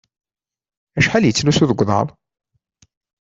Acḥal yettlusu deg uḍaṛ?